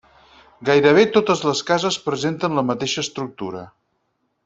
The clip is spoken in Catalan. Gairebé totes les cases presenten la mateixa estructura.